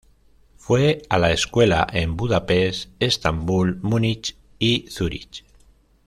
Fue a la escuela en Budapest, Estambul, Múnich, y Zúrich.